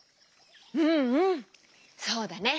うんうんそうだね。